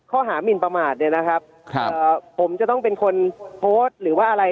หมินประมาทเนี่ยนะครับผมจะต้องเป็นคนโพสต์หรือว่าอะไร